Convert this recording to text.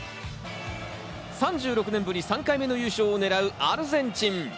３６年ぶり３回目の優勝をねらうアルゼンチン。